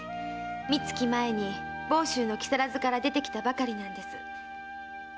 三月前に房州の木更津から出てきたばかりです。